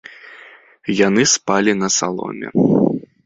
Яны спалі на саломе.